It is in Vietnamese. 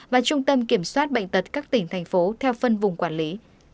và trung tâm kiểm soát bệnh tật các tỉnh thành phố theo phân vùng quản lý